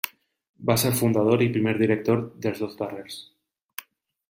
Va ser fundador i primer director dels dos darrers.